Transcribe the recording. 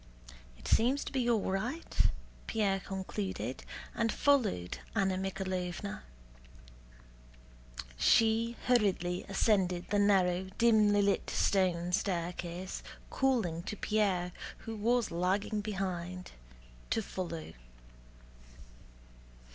"It seems to be all right," Pierre concluded, and followed Anna Mikháylovna. She hurriedly ascended the narrow dimly lit stone staircase, calling to Pierre, who was lagging behind, to follow.